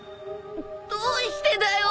どうしてだよ。